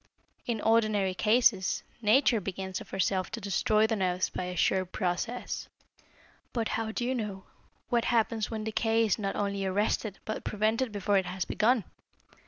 In ordinary cases Nature begins of herself to destroy the nerves by a sure process. But how do you know what happens when decay is not only arrested but prevented before it has begun?